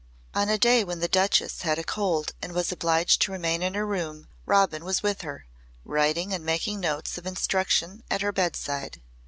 On a day when the Duchess had a cold and was obliged to remain in her room Robin was with her, writing and making notes of instruction at her bedside.